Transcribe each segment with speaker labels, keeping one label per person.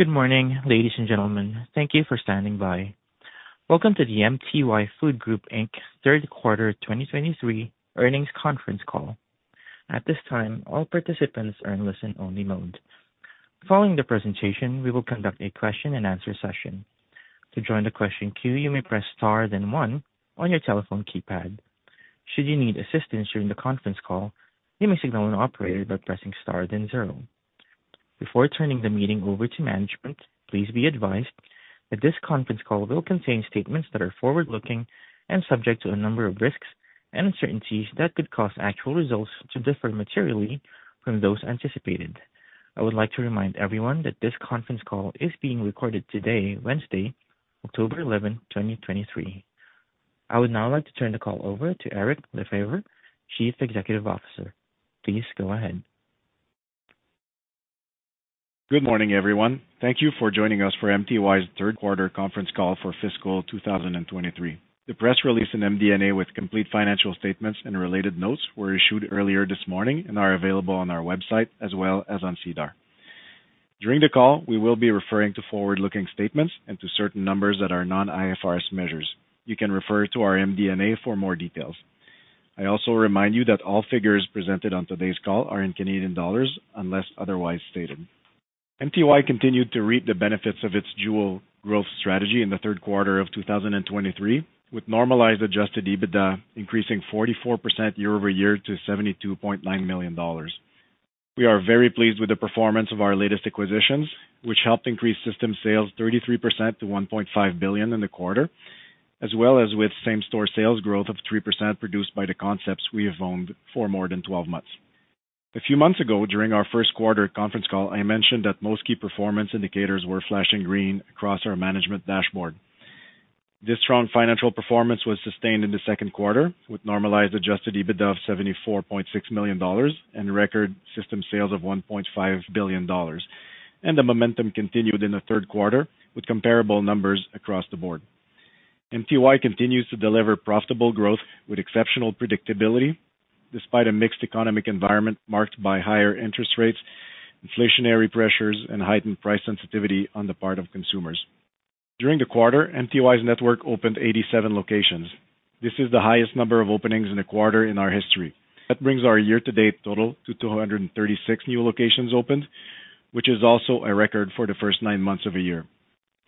Speaker 1: Good morning, ladies and gentlemen. Thank you for standing by. Welcome to the MTY Food Group Inc.'s Third Quarter 2023 Earnings Conference Call. At this time, all participants are in listen-only mode. Following the presentation, we will conduct a question-and-answer session. To join the question queue, you may press Star, then one on your telephone keypad. Should you need assistance during the conference call, you may signal an operator by pressing star, then zero. Before turning the meeting over to management, please be advised that this conference call will contain statements that are forward-looking and subject to a number of risks and uncertainties that could cause actual results to differ materially from those anticipated. I would like to remind everyone that this conference call is being recorded today, Wednesday, October 11, 2023. I would now like to turn the call over to Eric Lefebvre, Chief Executive Officer. Please go ahead.
Speaker 2: Good morning, everyone. Thank you for joining us for MTY's third quarter conference call for fiscal 2023. The press release and MD&A with complete financial statements and related notes were issued earlier this morning and are available on our website as well as on SEDAR. During the call, we will be referring to forward-looking statements and to certain numbers that are non-IFRS measures. You can refer to our MD&A for more details. I also remind you that all figures presented on today's call are in Canadian dollars, unless otherwise stated. MTY continued to reap the benefits of its dual growth strategy in the third quarter of 2023, with normalized adjusted EBITDA increasing 44% year-over-year to CAD 72.9 million. We are very pleased with the performance of our latest acquisitions, which helped increase system sales 33% to 1.5 billion in the quarter, as well as with same-store sales growth of 3% produced by the concepts we have owned for more than 12 months. A few months ago, during our first quarter conference call, I mentioned that most key performance indicators were flashing green across our management dashboard. This strong financial performance was sustained in the second quarter, with normalized adjusted EBITDA of 74.6 million dollars and record system sales of 1.5 billion dollars, and the momentum continued in the third quarter with comparable numbers across the board. MTY continues to deliver profitable growth with exceptional predictability, despite a mixed economic environment marked by higher interest rates, inflationary pressures, and heightened price sensitivity on the part of consumers. During the quarter, MTY's network opened 87 locations. This is the highest number of openings in a quarter in our history. That brings our year-to-date total to 236 new locations opened, which is also a record for the first 9 months of a year.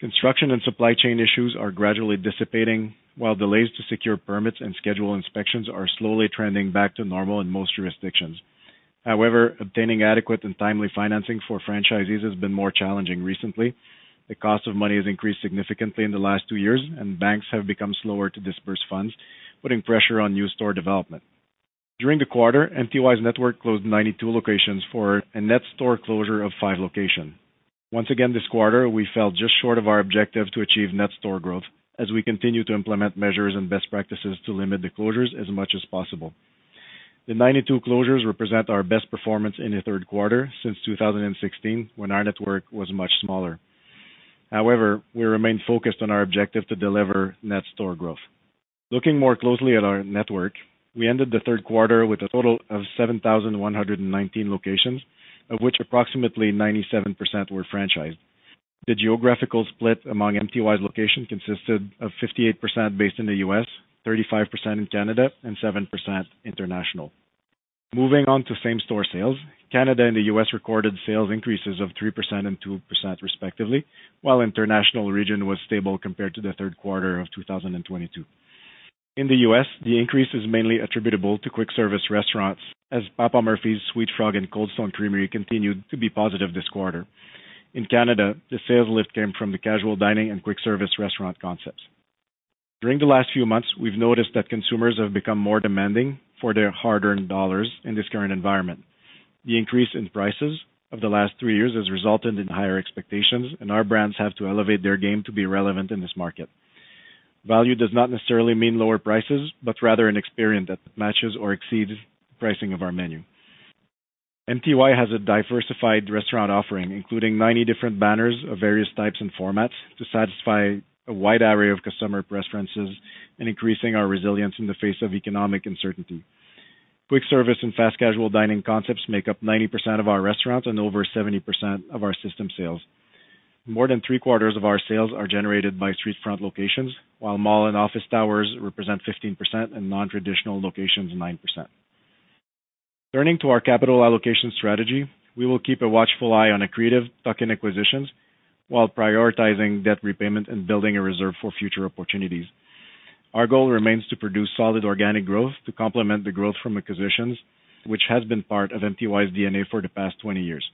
Speaker 2: Construction and supply chain issues are gradually dissipating, while delays to secure permits and schedule inspections are slowly trending back to normal in most jurisdictions. However, obtaining adequate and timely financing for franchisees has been more challenging recently. The cost of money has increased significantly in the last two years, and banks have become slower to disburse funds, putting pressure on new store development. During the quarter, MTY's network closed 92 locations for a net store closure of five locations. Once again, this quarter, we fell just short of our objective to achieve net store growth as we continue to implement measures and best practices to limit the closures as much as possible. The 92 closures represent our best performance in the third quarter since 2016, when our network was much smaller. However, we remain focused on our objective to deliver net store growth. Looking more closely at our network, we ended the third quarter with a total of 7,119 locations, of which approximately 97% were franchised. The geographical split among MTY's location consisted of 58% based in the U.S., 35% in Canada, and 7% international. Moving on to same-store sales, Canada and the U.S. recorded sales increases of 3% and 2%, respectively, while international region was stable compared to the third quarter of 2022. In the U.S., the increase is mainly attributable to quick-service restaurants as Papa Murphy's, Sweet Frog, and Cold Stone Creamery continued to be positive this quarter. In Canada, the sales lift came from the casual dining and quick service restaurant concepts. During the last few months, we've noticed that consumers have become more demanding for their hard-earned dollars in this current environment. The increase in prices of the last three years has resulted in higher expectations, and our brands have to elevate their game to be relevant in this market. Value does not necessarily mean lower prices, but rather an experience that matches or exceeds pricing of our menu. MTY has a diversified restaurant offering, including 90 different banners of various types and formats to satisfy a wide array of customer preferences and increasing our resilience in the face of economic uncertainty. Quick service and fast casual dining concepts make up 90% of our restaurants and over 70% of our system sales. More than 75% of our sales are generated by streetfront locations, while mall and office towers represent 15% and nontraditional locations, 9%. Turning to our capital allocation strategy, we will keep a watchful eye on accretive tuck-in acquisitions while prioritizing debt repayment and building a reserve for future opportunities. Our goal remains to produce solid organic growth to complement the growth from acquisitions, which has been part of MTY's DNA for the past 20 years.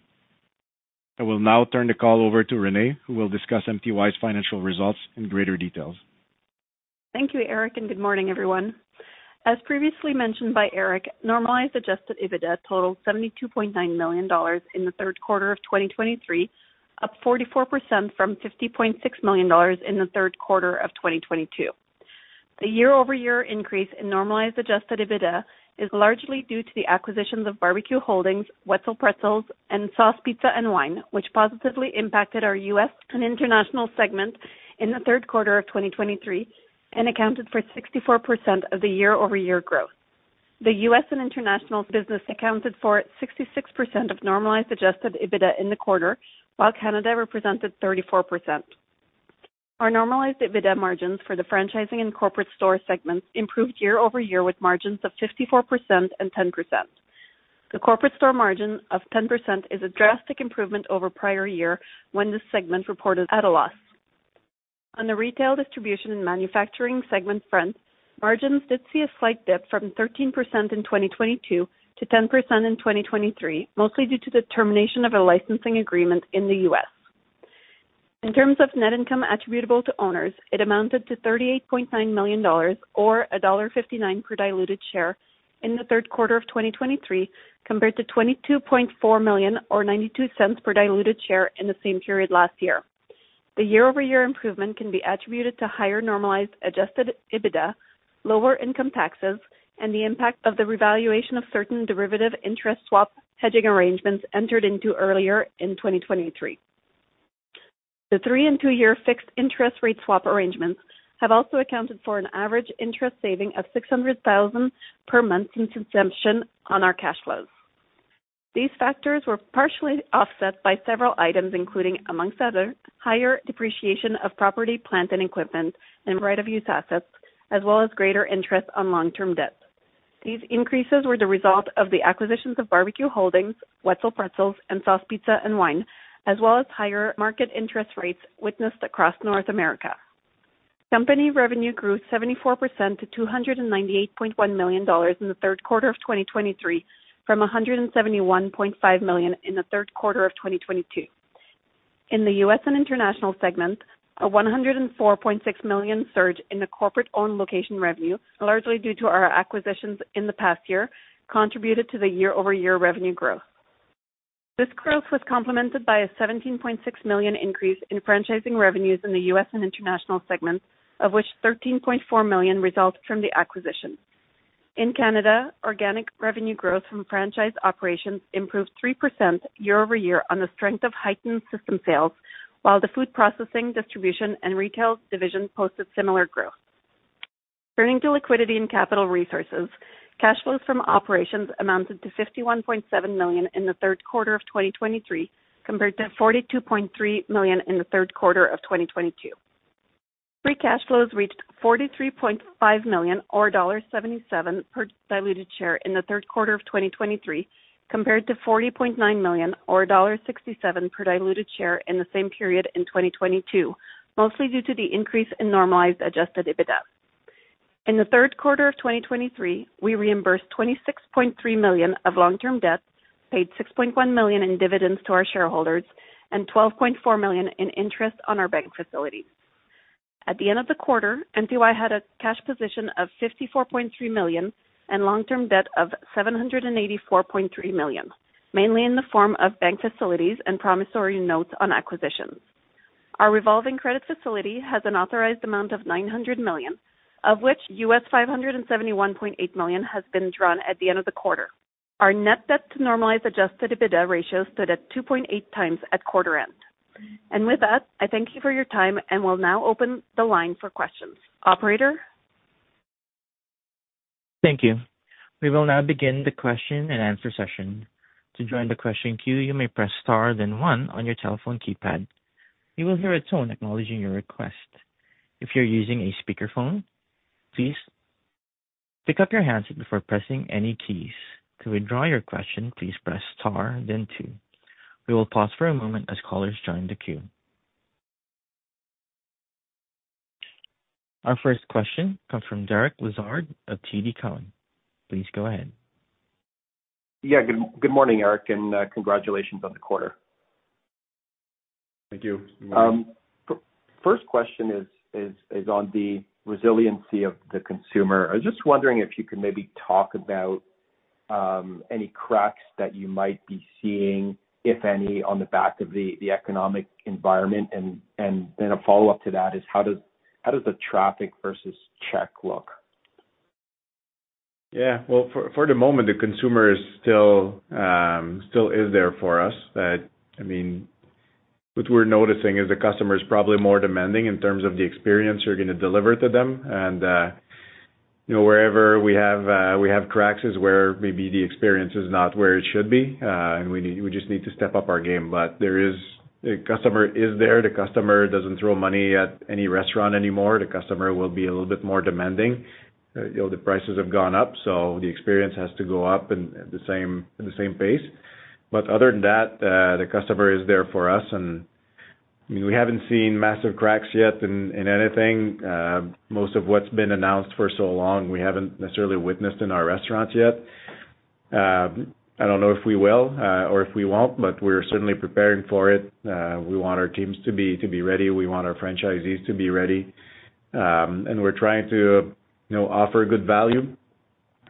Speaker 2: I will now turn the call over to Renee, who will discuss MTY's financial results in greater details.
Speaker 3: Thank you, Eric, and good morning, everyone. As previously mentioned by Eric, normalized adjusted EBITDA totaled CAD 72.9 million in the third quarter of 2023, up 44% from CAD 50.6 million in the third quarter of 2022. The year-over-year increase in normalized adjusted EBITDA is largely due to the acquisitions of BBQ Holdings, Wetzel's Pretzels, and Sauce Pizza & Wine, which positively impacted our U.S. and international segment in the third quarter of 2023 and accounted for 64% of the year-over-year growth. The U.S. and international business accounted for 66% of normalized adjusted EBITDA in the quarter, while Canada represented 34%. Our normalized EBITDA margins for the franchising and corporate store segments improved year-over-year, with margins of 54% and 10%. The corporate store margin of 10% is a drastic improvement over prior year when this segment reported at a loss. On the retail distribution and manufacturing segment front, margins did see a slight dip from 13% in 2022 to 10% in 2023, mostly due to the termination of a licensing agreement in the U.S. In terms of net income attributable to owners, it amounted to 38.9 million dollars or dollar 1.59 per diluted share in the third quarter of 2023, compared to 22.4 million or 0.92 per diluted share in the same period last year. The year-over-year improvement can be attributed to higher normalized adjusted EBITDA, lower income taxes, and the impact of the revaluation of certain derivative interest swap hedging arrangements entered into earlier in 2023. The three and two-year fixed interest rate swap arrangements have also accounted for an average interest saving of 600,000 per month in consumption on our cash flows. These factors were partially offset by several items, including, amongst others, higher depreciation of property, plant, and equipment, and right-of-use assets, as well as greater interest on long-term debt. These increases were the result of the acquisitions of BBQ Holdings, Wetzel's Pretzels, and Sauce Pizza & Wine, as well as higher market interest rates witnessed across North America. Company revenue grew 74% to 298.1 million dollars in the third quarter of 2023, from 171.5 million in the third quarter of 2022. In the U.S. and international segments, a 104.6 million surge in the corporate-owned location revenue, largely due to our acquisitions in the past year, contributed to the year-over-year revenue growth. This growth was complemented by a 17.6 million increase in franchising revenues in the U.S. and international segments, of which 13.4 million results from the acquisition. In Canada, organic revenue growth from franchise operations improved 3% year over year on the strength of heightened system sales, while the food processing, distribution, and retail division posted similar growth. Turning to liquidity and capital resources, cash flows from operations amounted to CAD 51.7 million in the third quarter of 2023, compared to CAD 42.3 million in the third quarter of 2022. Free cash flows reached CAD 43.5 million or CAD 1.77 per diluted share in the third quarter of 2023, compared to CAD 40.9 million or CAD 1.67 per diluted share in the same period in 2022, mostly due to the increase in normalized adjusted EBITDA. In the third quarter of 2023, we reimbursed 26.3 million of long-term debt, paid 6.1 million in dividends to our shareholders and 12.4 million in interest on our bank facility. At the end of the quarter, MTY had a cash position of 54.3 million and long-term debt of 784.3 million, mainly in the form of bank facilities and promissory notes on acquisitions. Our revolving credit facility has an authorized amount of 900 million, of which $571.8 million has been drawn at the end of the quarter. Our net debt to normalized adjusted EBITDA ratio stood at 2.8x at quarter end. With that, I thank you for your time and will now open the line for questions. Operator?
Speaker 1: Thank you. We will now begin the question and answer session. To join the question queue, you may press star, then one on your telephone keypad. You will hear a tone acknowledging your request. If you're using a speakerphone, please pick up your handset before pressing any keys. To withdraw your question, please press star then two. We will pause for a moment as callers join the queue. Our first question comes from Derek Lessard of TD Cowen. Please go ahead.
Speaker 4: Yeah, good morning, Eric, and congratulations on the quarter.
Speaker 2: Thank you.
Speaker 4: First question is on the resiliency of the consumer. I was just wondering if you could maybe talk about any cracks that you might be seeing, if any, on the back of the economic environment. And then a follow-up to that is: how does the traffic versus check look?
Speaker 2: Yeah, well, for the moment, the consumer is still still is there for us. But, I mean, what we're noticing is the customer is probably more demanding in terms of the experience you're gonna deliver to them. And, you know, wherever we have, we have cracks is where maybe the experience is not where it should be, and we need, we just need to step up our game. But there is... The customer is there. The customer doesn't throw money at any restaurant anymore. The customer will be a little bit more demanding. You know, the prices have gone up, so the experience has to go up in the same pace. But other than that, the customer is there for us, and we haven't seen massive cracks yet in anything. Most of what's been announced for so long, we haven't necessarily witnessed in our restaurants yet. I don't know if we will or if we won't, but we're certainly preparing for it. We want our teams to be, to be ready, we want our franchisees to be ready. And we're trying to, you know, offer good value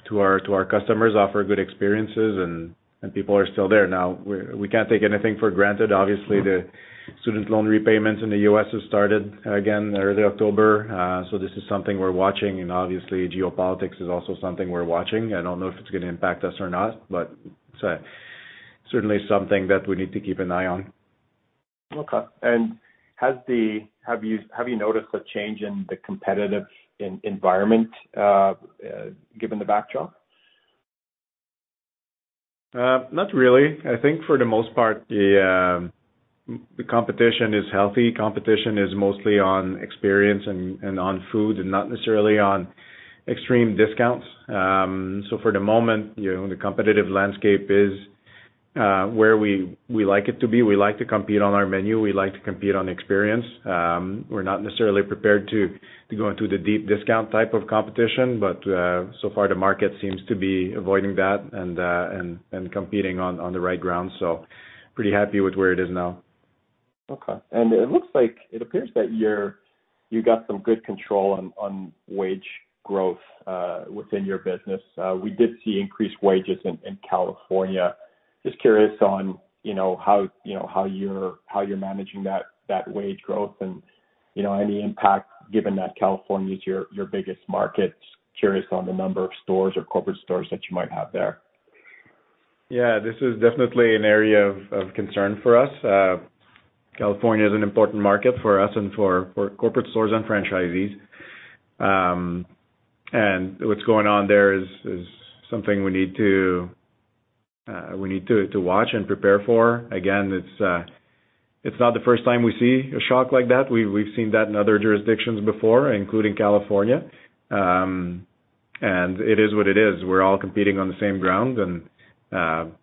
Speaker 2: to our, to our customers, offer good experiences, and, and people are still there. Now, we, we can't take anything for granted. Obviously, the student loan repayments in the U.S. has started again early October, so this is something we're watching. And obviously, geopolitics is also something we're watching. I don't know if it's gonna impact us or not, but certainly something that we need to keep an eye on.
Speaker 4: Okay, and has the, have you noticed a change in the competitive environment, given the backdrop?
Speaker 2: Not really. I think for the most part, the competition is healthy. Competition is mostly on experience and on food, and not necessarily on extreme discounts. So for the moment, you know, the competitive landscape is where we like it to be. We like to compete on our menu, we like to compete on experience. We're not necessarily prepared to go into the deep discount type of competition, but so far the market seems to be avoiding that, and competing on the right ground. So pretty happy with where it is now.
Speaker 4: Okay. It looks like, it appears that you've got some good control on wage growth within your business. We did see increased wages in California. Just curious on, you know, how you're managing that wage growth and, you know, any impact, given that California is your biggest market. Just curious on the number of stores or corporate stores that you might have there.
Speaker 2: Yeah, this is definitely an area of concern for us. California is an important market for us and for corporate stores and franchisees. And what's going on there is something we need to watch and prepare for. Again, it's not the first time we see a shock like that. We've seen that in other jurisdictions before, including California. And it is what it is. We're all competing on the same ground, and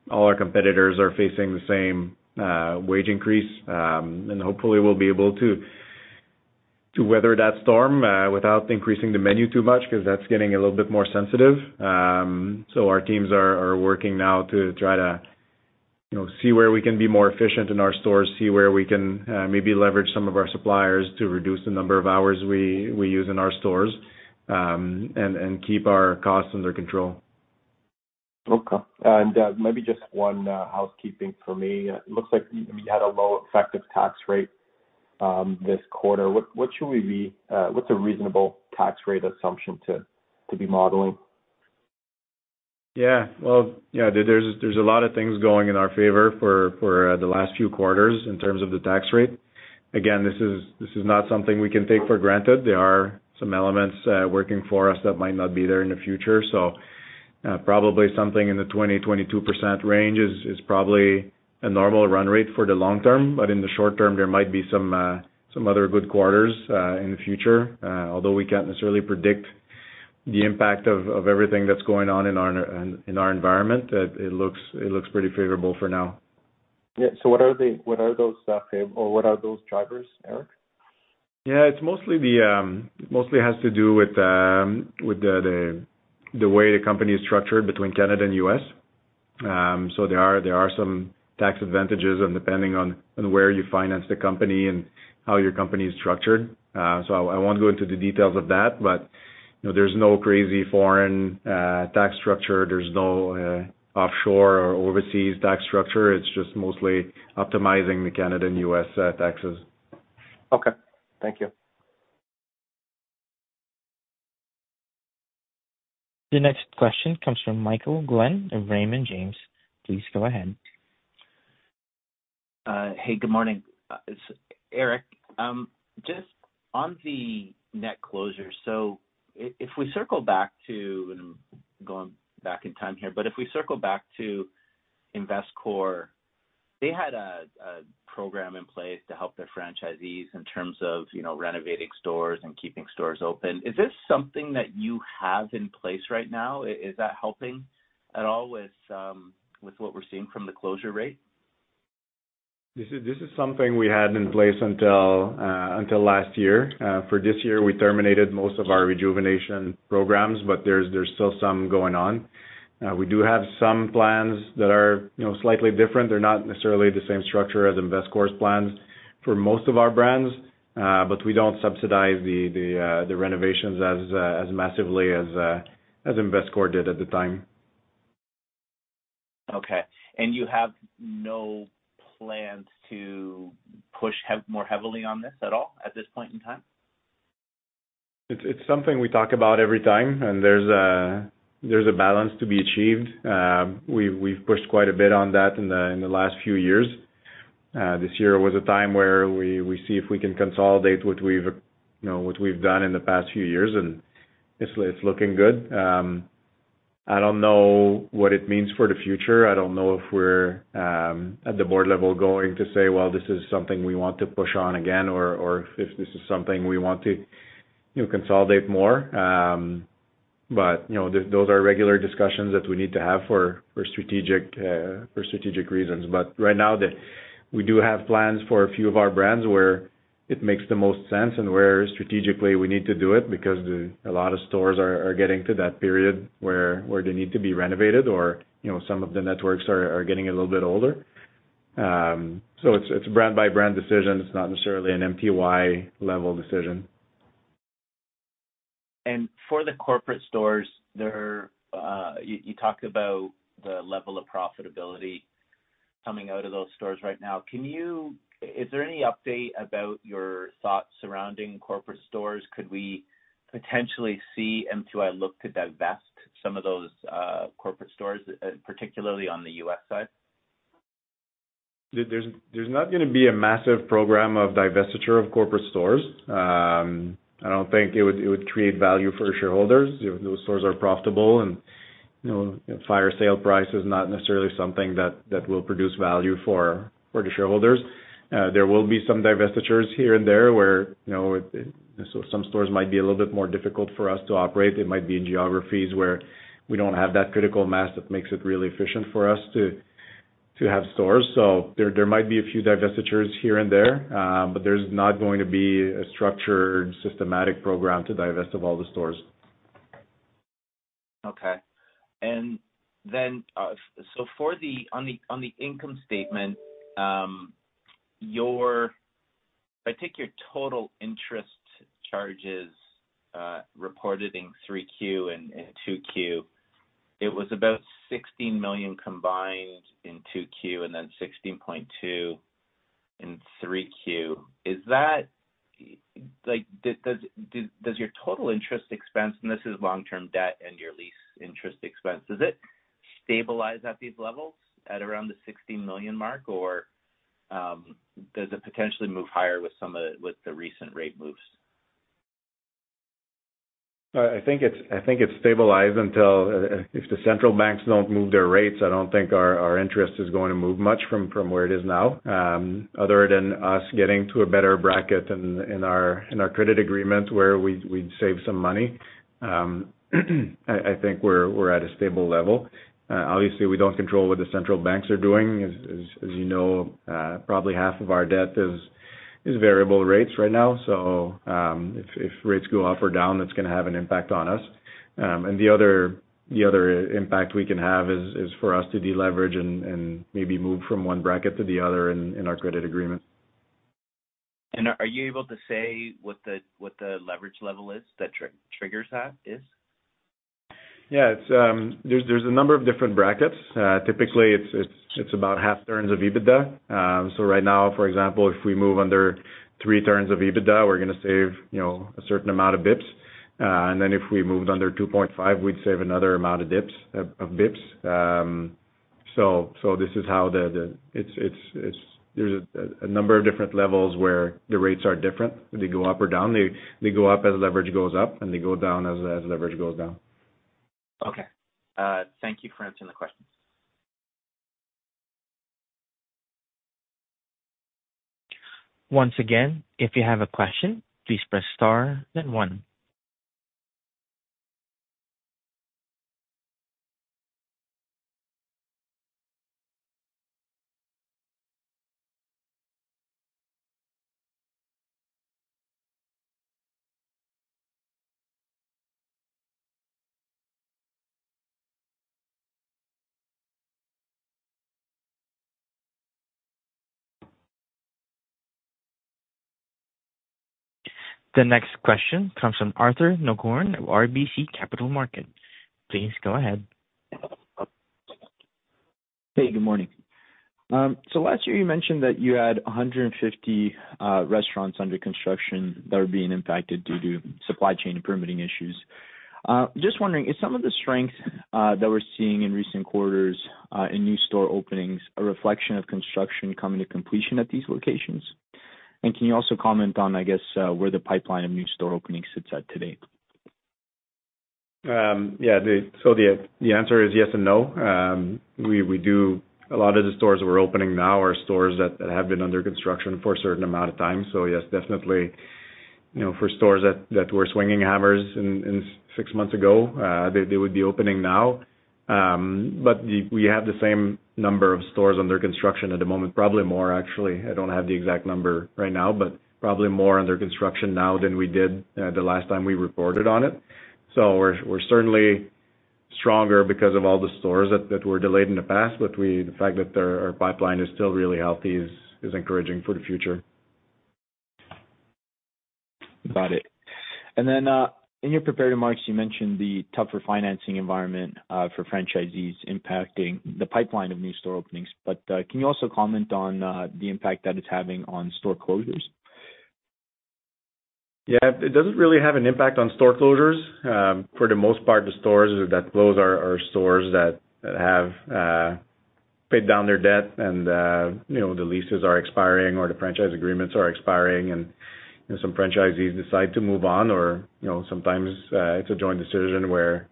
Speaker 2: all our competitors are facing the same wage increase. And hopefully we'll be able to weather that storm without increasing the menu too much, 'cause that's getting a little bit more sensitive. So our teams are working now to try to, you know, see where we can be more efficient in our stores, see where we can maybe leverage some of our suppliers to reduce the number of hours we use in our stores, and keep our costs under control.
Speaker 4: Okay. And, maybe just one housekeeping for me. It looks like you had a low effective tax rate this quarter. What should we be—what's a reasonable tax rate assumption to be modeling?
Speaker 2: Yeah. Well, yeah, there's, there's a lot of things going in our favor for, for, the last few quarters in terms of the tax rate. Again, this is, this is not something we can take for granted. There are some elements, working for us that might not be there in the future. So, probably something in the 20-22% range is, is probably a normal run rate for the long term, but in the short term, there might be some, some other good quarters, in the future. Although we can't necessarily predict the impact of, of everything that's going on in our, in, in our environment, it looks, it looks pretty favorable for now.
Speaker 4: Yeah. So what are those drivers, Eric?
Speaker 2: Yeah, it's mostly has to do with the way the company is structured between Canada and U.S. So there are some tax advantages and depending on where you finance the company and how your company is structured. So I won't go into the details of that, but you know, there's no crazy foreign tax structure, there's no offshore or overseas tax structure. It's just mostly optimizing the Canada and U.S. taxes.
Speaker 4: Okay. Thank you.
Speaker 1: The next question comes from Michael Glen of Raymond James. Please go ahead.
Speaker 5: Hey, good morning. Eric, just on the net closure. So if we circle back to, and I'm going back in time here, but if we circle back to Imvescor, they had a program in place to help their franchisees in terms of, you know, renovating stores and keeping stores open. Is this something that you have in place right now? Is that helping at all with what we're seeing from the closure rate?
Speaker 2: This is, this is something we had in place until, until last year. For this year, we terminated most of our rejuvenation programs, but there's, there's still some going on. We do have some plans that are, you know, slightly different. They're not necessarily the same structure as Imvescor's plans for most of our brands, but we don't subsidize the, the, the renovations as, as massively as, as Imvescor did at the time.
Speaker 5: Okay. And you have no plans to push more heavily on this at all, at this point in time?
Speaker 2: It's something we talk about every time, and there's a balance to be achieved. We've pushed quite a bit on that in the last few years. This year was a time where we see if we can consolidate what we've, you know, what we've done in the past few years, and it's looking good. I don't know what it means for the future. I don't know if we're at the board level going to say, "Well, this is something we want to push on again," or if this is something we want to, you know, consolidate more. But, you know, those are regular discussions that we need to have for strategic reasons. But right now, we do have plans for a few of our brands where it makes the most sense, and where strategically we need to do it, because a lot of stores are getting to that period where they need to be renovated or, you know, some of the networks are getting a little bit older. So it's a brand-by-brand decision. It's not necessarily an MTY-level decision.
Speaker 5: For the corporate stores there, you talked about the level of profitability coming out of those stores right now. Is there any update about your thoughts surrounding corporate stores? Could we potentially see MTY look to divest some of those corporate stores, particularly on the U.S. side?
Speaker 2: There’s not gonna be a massive program of divestiture of corporate stores. I don’t think it would create value for our shareholders. Those stores are profitable, and, you know, fire sale price is not necessarily something that will produce value for the shareholders. There will be some divestitures here and there, where, you know, so some stores might be a little bit more difficult for us to operate. They might be in geographies where we don’t have that critical mass that makes it really efficient for us to have stores. So there might be a few divestitures here and there, but there’s not going to be a structured, systematic program to divest of all the stores.
Speaker 5: Okay. For the, on the income statement, your-- if I take your total interest charges, reported in 3Q and 2Q, it was about 16 million combined in 2Q, and then 16.2 million in 3Q. Is that, like, does your total interest expense, and this is long-term debt and your lease interest expense, does it stabilize at these levels at around the 16 million mark, or does it potentially move higher with some of the recent rate moves?
Speaker 2: I think it's stabilized until, if the central banks don't move their rates, I don't think our interest is going to move much from where it is now, other than us getting to a better bracket in our credit agreement, where we'd save some money. I think we're at a stable level. Obviously, we don't control what the central banks are doing. As you know, probably half of our debt is variable rates right now. So, if rates go up or down, that's gonna have an impact on us. And the other impact we can have is for us to deleverage and maybe move from one bracket to the other in our credit agreement.
Speaker 5: Are you able to say what the leverage level is that triggers that?
Speaker 2: Yeah, it's, there's a number of different brackets. Typically, it's about half turns of EBITDA. So right now, for example, if we move under three turns of EBITDA, we're gonna save, you know, a certain amount of bps. And then if we moved under 2.5, we'd save another amount of bps. So this is how it's. There's a number of different levels where the rates are different. They go up or down. They go up as leverage goes up, and they go down as leverage goes down.
Speaker 5: Okay. Thank you for answering the questions.
Speaker 1: Once again, if you have a question, please press Star, then one. The next question comes from Arthur Nagorny of RBC Capital Markets. Please go ahead.
Speaker 6: Hey, good morning. So last year, you mentioned that you had 150 restaurants under construction that are being impacted due to supply chain and permitting issues. Just wondering, is some of the strength that we're seeing in recent quarters in new store openings, a reflection of construction coming to completion at these locations? And can you also comment on, I guess, where the pipeline of new store openings sits at today?
Speaker 2: Yeah, the answer is yes and no. We do a lot of the stores that we're opening now are stores that have been under construction for a certain amount of time. Yes, definitely, you know, for stores that were swinging hammers in six months ago, they would be opening now. We have the same number of stores under construction at the moment, probably more actually. I don't have the exact number right now, but probably more under construction now than we did the last time we reported on it. We're certainly stronger because of all the stores that were delayed in the past. The fact that our pipeline is still really healthy is encouraging for the future.
Speaker 6: Got it. And then, in your prepared remarks, you mentioned the tougher financing environment, for franchisees impacting the pipeline of new store openings. But, can you also comment on the impact that it's having on store closures?
Speaker 2: Yeah. It doesn't really have an impact on store closures. For the most part, the stores that close are stores that have paid down their debt and, you know, the leases are expiring or the franchise agreements are expiring, and some franchisees decide to move on or, you know, sometimes it's a joint decision where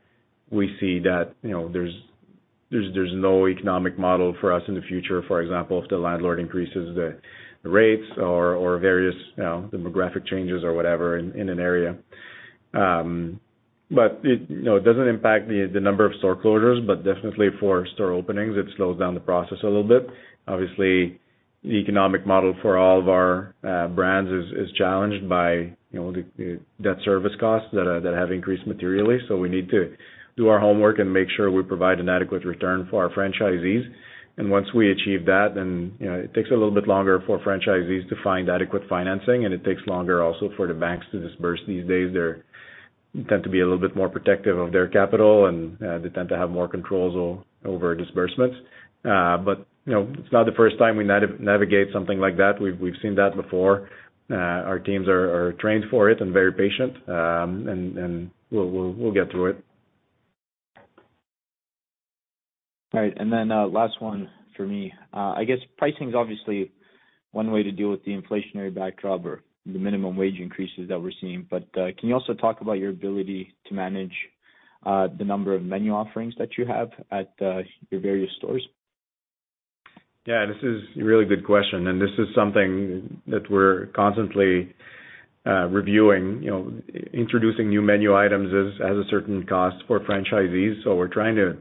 Speaker 2: we see that, you know, there's no economic model for us in the future. For example, if the landlord increases the rates or various, you know, demographic changes or whatever in an area. But it, you know, it doesn't impact the number of store closures, but definitely for store openings, it slows down the process a little bit. Obviously, the economic model for all of our brands is challenged by, you know, the debt service costs that have increased materially. So we need to do our homework and make sure we provide an adequate return for our franchisees. Once we achieve that, then, you know, it takes a little bit longer for franchisees to find adequate financing, and it takes longer also for the banks to disburse these days. They tend to be a little bit more protective of their capital, and they tend to have more controls over disbursements. But, you know, it's not the first time we navigate something like that. We've seen that before. Our teams are trained for it and very patient, and we'll get through it.
Speaker 6: All right. And then, last one for me. I guess pricing is obviously one way to deal with the inflationary backdrop or the minimum wage increases that we're seeing. But, can you also talk about your ability to manage, the number of menu offerings that you have at, your various stores?
Speaker 2: Yeah, this is a really good question, and this is something that we're constantly reviewing. You know, introducing new menu items is has a certain cost for franchisees. So we're trying to...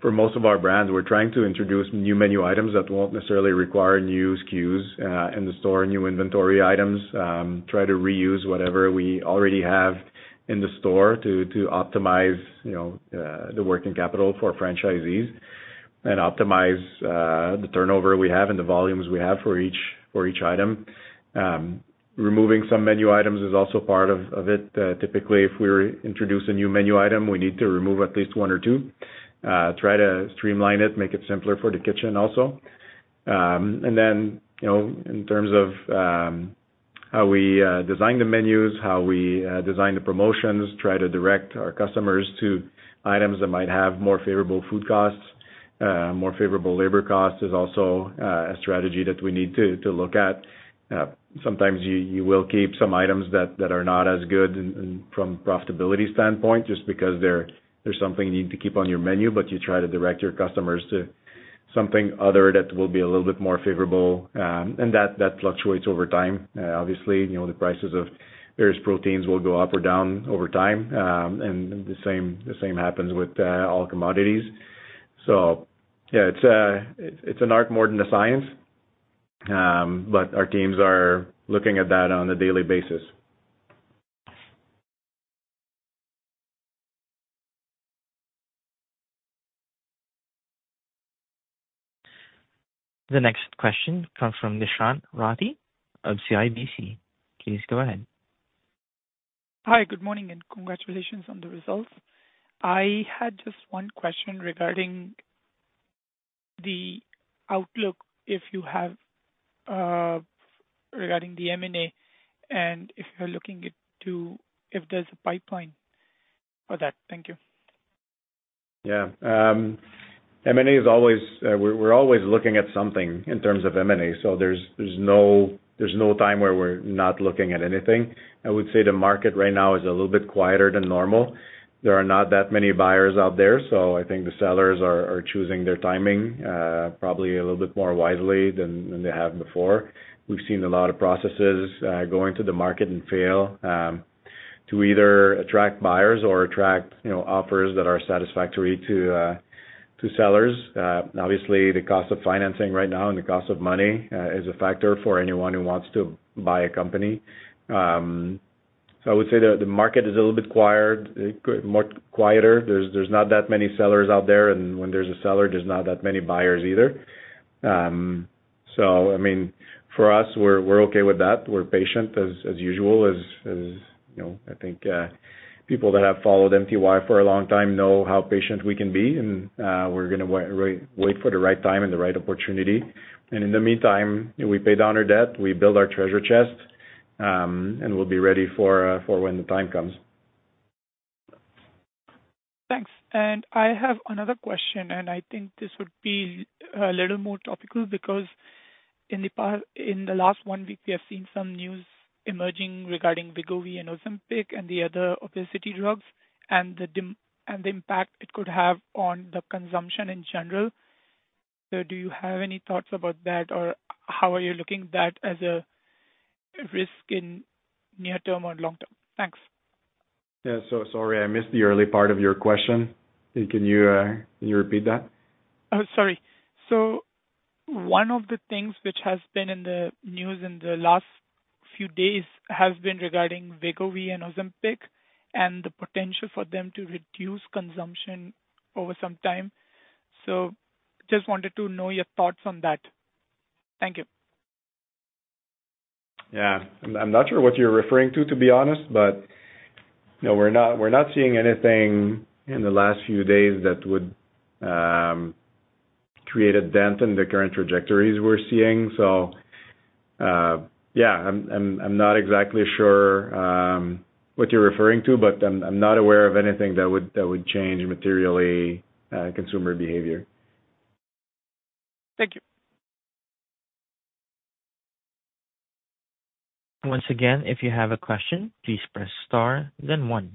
Speaker 2: For most of our brands, we're trying to introduce new menu items that won't necessarily require new SKUs in the store, new inventory items. Try to reuse whatever we already have in the store to optimize, you know, the working capital for franchisees and optimize the turnover we have and the volumes we have for each item. Removing some menu items is also part of it. Typically, if we introduce a new menu item, we need to remove at least one or two, try to streamline it, make it simpler for the kitchen also. You know, in terms of how we design the menus, how we design the promotions, try to direct our customers to items that might have more favorable food costs, more favorable labor costs is also a strategy that we need to look at. Sometimes you will keep some items that are not as good from a profitability standpoint, just because they're something you need to keep on your menu, but you try to direct your customers to something other that will be a little bit more favorable, and that fluctuates over time. Obviously, you know, the prices of various proteins will go up or down over time, and the same happens with all commodities. Yeah, it's a, it's an art more than a science, but our teams are looking at that on a daily basis.
Speaker 1: The next question comes from Nishant Rathi of CIBC. Please go ahead.
Speaker 7: Hi, good morning, and congratulations on the results. I had just one question regarding the outlook, if you have, regarding the M&A, and if you're looking into if there's a pipeline for that. Thank you.
Speaker 2: Yeah. M&A is always, we're always looking at something in terms of M&A, so there's no time where we're not looking at anything. I would say the market right now is a little bit quieter than normal. There are not that many buyers out there, so I think the sellers are choosing their timing, probably a little bit more wisely than they have before. We've seen a lot of processes go into the market and fail to either attract buyers or attract, you know, offers that are satisfactory to sellers. Obviously, the cost of financing right now and the cost of money is a factor for anyone who wants to buy a company. So I would say the market is a little bit quiet, more quieter. There's not that many sellers out there, and when there's a seller, there's not that many buyers either. So I mean, for us, we're okay with that. We're patient, as usual, as you know. I think people that have followed MTY for a long time know how patient we can be, and we're gonna wait for the right time and the right opportunity. In the meantime, we pay down our debt, we build our treasure chest, and we'll be ready for when the time comes.
Speaker 7: Thanks. I have another question, and I think this would be a little more topical because in the past, in the last one week, we have seen some news emerging regarding Wegovy and Ozempic and the other obesity drugs and the impact it could have on the consumption in general. So do you have any thoughts about that, or how are you looking at that as a risk in near term or long term? Thanks.
Speaker 2: Yeah. Sorry, I missed the early part of your question. Can you repeat that?
Speaker 7: Oh, sorry. So one of the things which has been in the news in the last few days has been regarding Wegovy and Ozempic, and the potential for them to reduce consumption over some time. So just wanted to know your thoughts on that. Thank you.
Speaker 2: Yeah. I'm not sure what you're referring to, to be honest, but, you know, we're not seeing anything in the last few days that would create a dent in the current trajectories we're seeing. So, yeah, I'm not exactly sure what you're referring to, but I'm not aware of anything that would change materially consumer behavior.
Speaker 7: Thank you.
Speaker 1: Once again, if you have a question, please press star then one.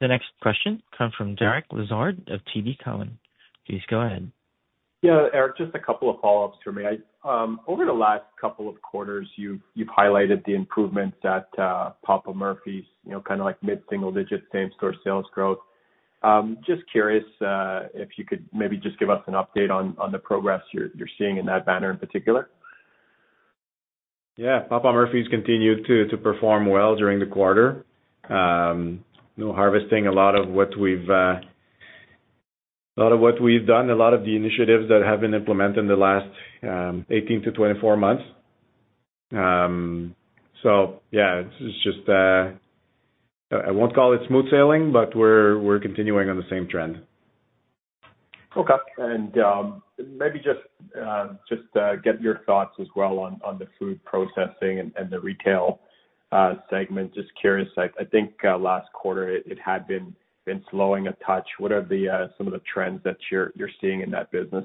Speaker 1: The next question comes from Derek Lessard of TD Cowen. Please go ahead.
Speaker 4: Yeah, Eric, just a couple of follow-ups for me. I over the last couple of quarters, you've highlighted the improvements at Papa Murphy's, you know, kind of like mid-single-digit same-store sales growth. Just curious if you could maybe just give us an update on the progress you're seeing in that banner in particular.
Speaker 2: Yeah. Papa Murphy's continued to, to perform well during the quarter. No harvesting a lot of what we've, a lot of what we've done, a lot of the initiatives that have been implemented in the last 18 to 24 months. Yeah, it's just, I won't call it smooth sailing, but we're, we're continuing on the same trend.
Speaker 4: Okay, and maybe just get your thoughts as well on the food processing and the retail segment. Just curious, like, I think last quarter, it had been slowing a touch. What are some of the trends that you're seeing in that business?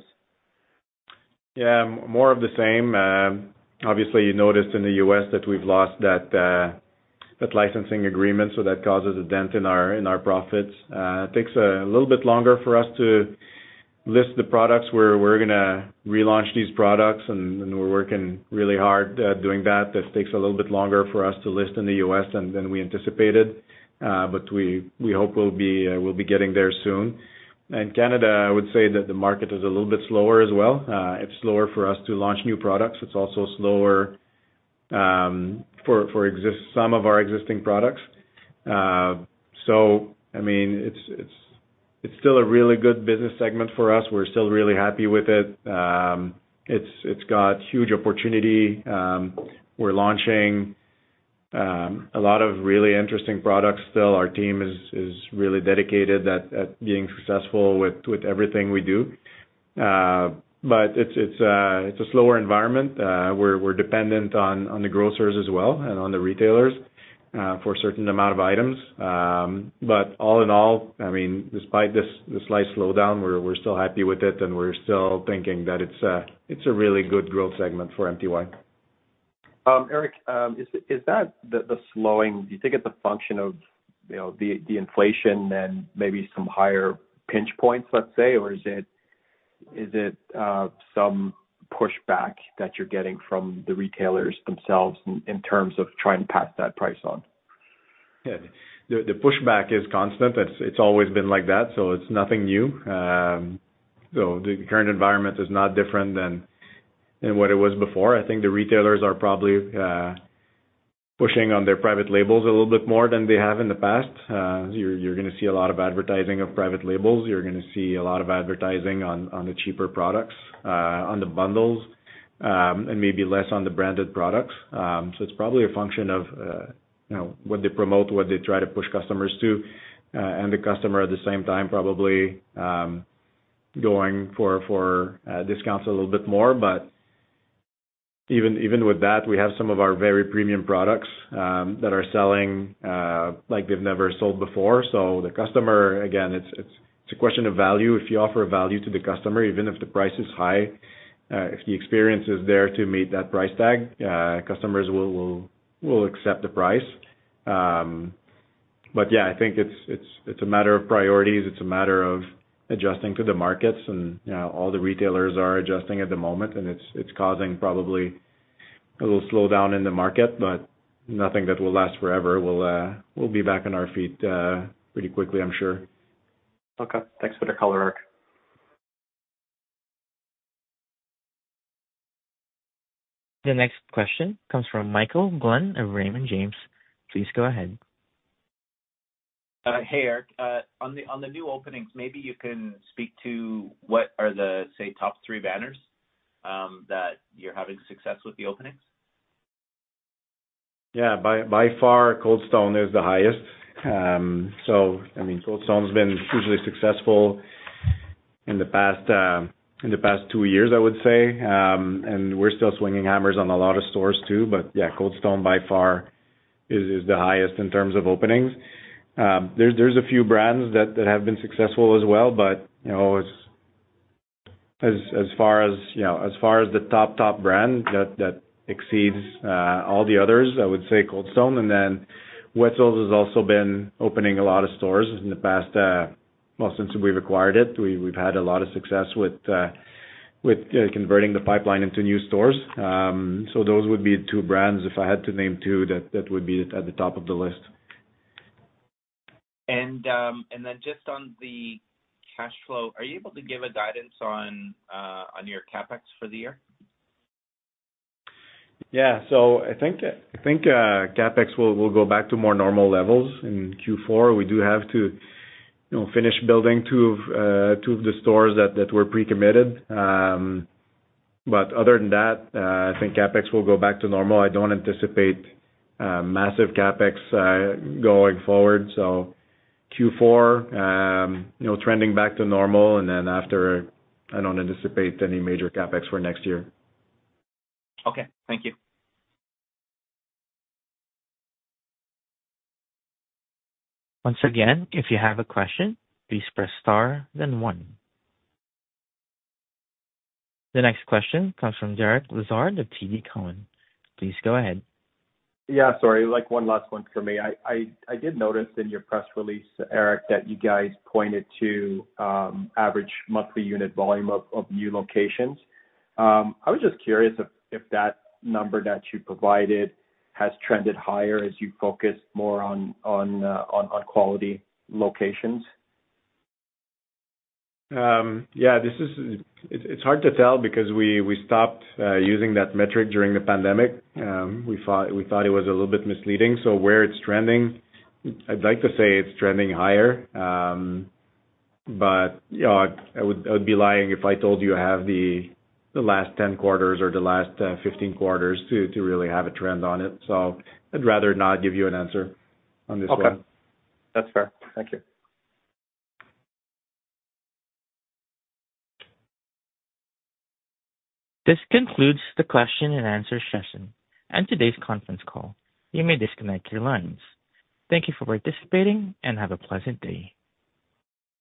Speaker 2: Yeah, more of the same. Obviously, you noticed in the U.S. that we've lost that licensing agreement, so that causes a dent in our profits. It takes a little bit longer for us to list the products where we're gonna relaunch these products, and we're working really hard at doing that. This takes a little bit longer for us to list in the U.S. than we anticipated, but we hope we'll be getting there soon. In Canada, I would say that the market is a little bit slower as well. It's slower for us to launch new products. It's also slower for some of our existing products. I mean, it's still a really good business segment for us. We're still really happy with it. It's got huge opportunity. We're launching a lot of really interesting products. Still, our team is really dedicated at being successful with everything we do. But it's a slower environment. We're dependent on the grocers as well, and on the retailers for a certain amount of items. But all in all, I mean, despite this, the slight slowdown, we're still happy with it, and we're still thinking that it's a really good growth segment for MTY.
Speaker 4: Eric, is that the slowing, do you think it's a function of, you know, the inflation and maybe some higher pinch points, let's say, or is it some pushback that you're getting from the retailers themselves in terms of trying to pass that price on?
Speaker 2: Yeah. The pushback is constant. It's always been like that, so it's nothing new. So the current environment is not different than what it was before. I think the retailers are probably pushing on their private labels a little bit more than they have in the past. You're gonna see a lot of advertising of private labels. You're gonna see a lot of advertising on the cheaper products, on the bundles, and maybe less on the branded products. So it's probably a function of you know, what they promote, what they try to push customers to. And the customer at the same time, probably going for discounts a little bit more. But even with that, we have some of our very premium products that are selling like they've never sold before. So the customer, again, it's a question of value. If you offer value to the customer, even if the price is high, if the experience is there to meet that price tag, customers will accept the price. But yeah, I think it's a matter of priorities. It's a matter of adjusting to the markets, and, you know, all the retailers are adjusting at the moment, and it's causing probably a little slowdown in the market, but nothing that will last forever. We'll be back on our feet pretty quickly, I'm sure.
Speaker 4: Okay. Thanks for the color, Eric.
Speaker 1: The next question comes from Michael Glenn of Raymond James. Please go ahead.
Speaker 5: Hey, Eric. On the new openings, maybe you can speak to what are the, say, top three banners that you're having success with the openings?
Speaker 2: Yeah. By far, Cold Stone is the highest. So, I mean, Cold Stone's been hugely successful in the past two years, I would say. And we're still swinging hammers on a lot of stores, too. But yeah, Cold Stone, by far, is the highest in terms of openings. There's a few brands that have been successful as well, but you know, as far as the top brand that exceeds all the others, I would say Cold Stone, and then Wetzel's has also been opening a lot of stores in the past, well, since we've acquired it. We've had a lot of success with converting the pipeline into new stores. So those would be two brands. If I had to name two, that would be at the top of the list.
Speaker 5: And then just on the cash flow, are you able to give a guidance on your CapEx for the year?
Speaker 2: I think CapEx will go back to more normal levels in Q4. We do have to, you know, finish building two of the stores that were pre-committed. Other than that, I think CapEx will go back to normal. I don't anticipate massive CapEx going forward. Q4, you know, trending back to normal, and then after, I don't anticipate any major CapEx for next year.
Speaker 5: Okay, thank you.
Speaker 1: Once again, if you have a question, please press star, then One. The next question comes from Derek Lessard of TD Cowen. Please go ahead.
Speaker 4: Yeah, sorry, like one last one for me. I did notice in your press release, Eric, that you guys pointed to average monthly unit volume of new locations. I was just curious if that number that you provided has trended higher as you focus more on quality locations.
Speaker 2: Yeah, it's hard to tell because we stopped using that metric during the pandemic. We thought it was a little bit misleading. So where it's trending, I'd like to say it's trending higher. But, you know, I would be lying if I told you I have the last 10 quarters or the last 10-15 quarters to really have a trend on it. So I'd rather not give you an answer on this one.
Speaker 4: Okay. That's fair. Thank you.
Speaker 1: This concludes the question and answer session and today's conference call. You may disconnect your lines. Thank you for participating, and have a pleasant day.